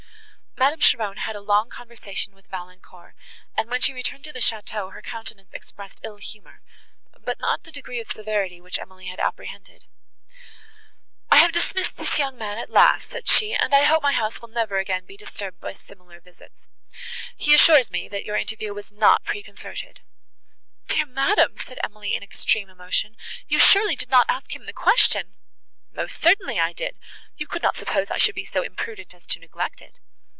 Madame Cheron had a long conversation with Valancourt, and, when she returned to the château, her countenance expressed ill humour, but not the degree of severity, which Emily had apprehended. "I have dismissed this young man, at last," said she, "and I hope my house will never again be disturbed with similar visits. He assures me, that your interview was not preconcerted." "Dear madam!" said Emily in extreme emotion, "you surely did not ask him the question!" "Most certainly I did; you could not suppose I should be so imprudent as to neglect it."